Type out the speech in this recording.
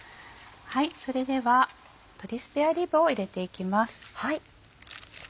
それでは鶏スペアリブを入れていきます。